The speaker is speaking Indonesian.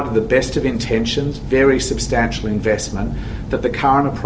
kita butuh penyakit baru untuk bekerja dengan komunitas